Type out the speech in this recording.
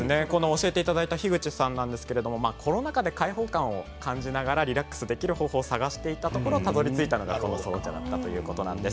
教えていただいた樋口さんはコロナ禍で解放感を感じながらリラックスできる方法を探していたところたどりついたのがソロ茶だったということです。